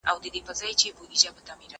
زه له سهاره مېوې راټولوم؟